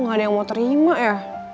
gak ada yang mau terima ya